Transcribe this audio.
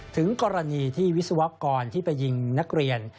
ถึงกรณีที่วิศวกรที่ไปยิงนักเรียน